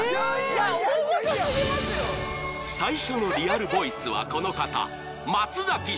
［最初のリアルボイスはこの方］